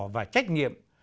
và trách nhiệm